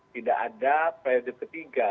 tidak ada periode ketiga